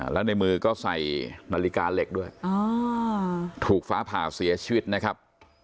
แล้วในมือก็ใส่นาฬิกาเหล็กด้วยถูกฟ้าผ่าเสียชีวิตนะครับ